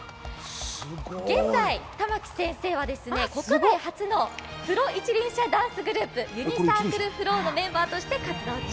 現在、珠暉先生は国内初のプロ一輪車ダンスグループ、ＵｎｉＣｉｒｃｌｅＦｌｏｗのメンバーとして活躍。